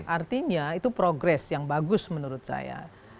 artinya itu progres yang bagus menurut saya